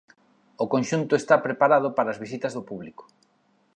O conxunto está preparado para as visitas do público.